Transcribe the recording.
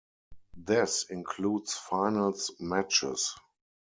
This includes finals matches.